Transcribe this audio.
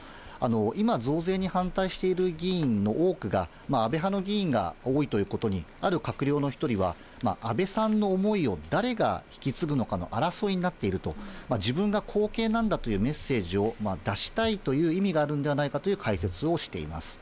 今、増税に反対している議員の多くが、安倍派の議員が多いということに、ある閣僚の一人は、安倍さんの思いを誰が引き継ぐのかの争いになっていると、自分が後継なんだというメッセージを出したいという意味があるんではないかという解説をしています。